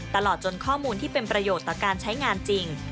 ตลอดจนข้อมูลที่เป็นประโยชน์ต่อการใช้งานจริง